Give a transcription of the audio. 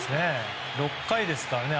６回ですからね。